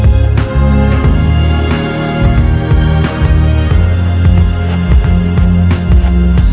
สวัสดีครับ